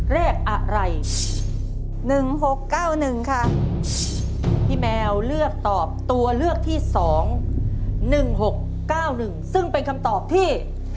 เราเลือกตอบตัวเลือกที่๒๑๖๙๑ซึ่งเป็นคำตอบที่